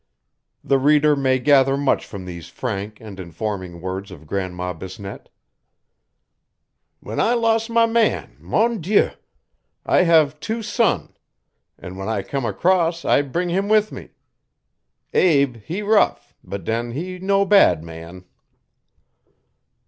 The reader may gather much from these frank and informing words of Grandma Bisnette. 'When I los' my man, Mon Dieu! I have two son. An' when I come across I bring him with me. Abe he rough; but den he no bad man.'